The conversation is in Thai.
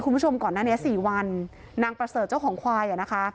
คุณผู้ชมก่อนหน้านี้สี่วันนางประเสริฐเจ้าของควายอ่ะนะคะ